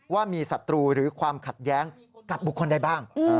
ว่ามีศัตรูหรือความขัดแย้งกับบุคคลใดบ้าง